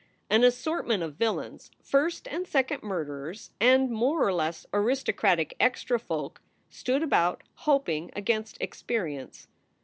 An assortment of villains, first and second murderers, and more or less aristocratic extra folk stood about, hoping against experience.